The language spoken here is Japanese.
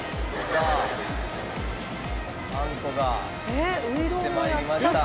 さああんこが落ちて参りました。